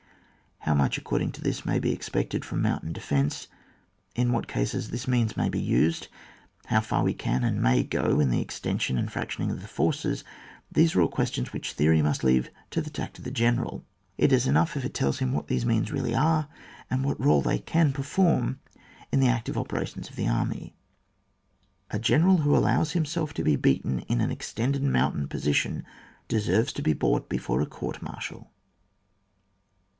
How much, according to this, may be expected from mountain defence, in what causes this means may be used, how far we can and may go in the extension and fractioning of the forces — these are all questions which theory must leave to the tact of the general. It is enough if it tells him what these means really are, and what role they can perform in the active operations of the army. A general who allows himself to be beaten in an extended mountain position deserves to be brought before a court martial.